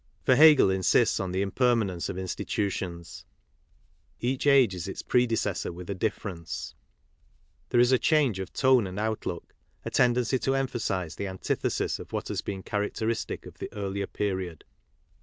For Hegel insists on the impermanence of institutions. Each age is its predecessor with a difference. There is a change of tone and outlook, a tendency to emphasize the anti thesis of what has been characteristic of the earlier period.